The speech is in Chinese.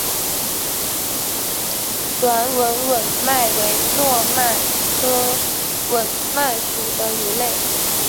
短吻吻鳗为糯鳗科吻鳗属的鱼类。